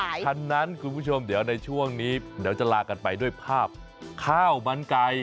เพราะฉะนั้นคุณผู้ชมเดี๋ยวในช่วงนี้เดี๋ยวจะลากันไปด้วยภาพข้าวมันไก่